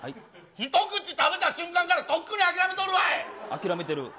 一口食べた瞬間から、とっくに諦諦めてる？